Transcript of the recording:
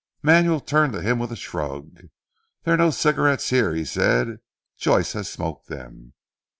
Manuel turned to him with a shrug. "There are no cigarettes here," he said, "Joyce has smoked them.